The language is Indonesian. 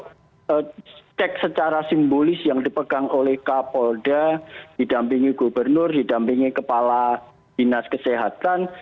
termasuk tek secara simbolis yang dipegang oleh kapolda didampingi gubernur didampingi kepala binas kesehatan